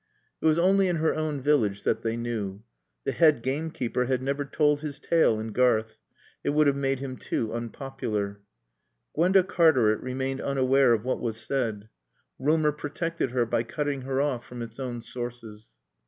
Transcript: It was only in her own village that they knew. The head gamekeeper had never told his tale in Garth. It would have made him too unpopular. Gwenda Cartaret remained unaware of what was said. Rumor protected her by cutting her off from its own sources.